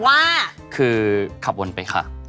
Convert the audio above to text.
ว่าคือขับวนไปค่ะ